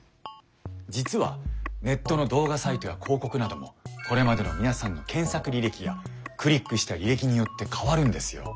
実はネットの動画サイトや広告などもこれまでの皆さんの検索履歴やクリックした履歴によって変わるんですよ。